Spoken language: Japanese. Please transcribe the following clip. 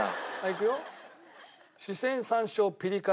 いくよ？